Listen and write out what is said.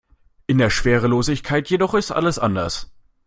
In der Schwerelosigkeit jedoch ist alles anders.